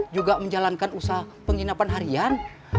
juga menjalankan usaha penginapan harian